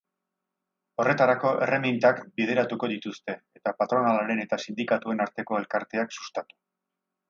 Horretarako, erreminta bideratuko dituzte, eta patronalaren eta sindikatuen arteko elkarteak sustatu.